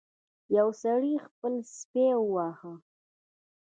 یو سړي خپل سپی وواهه.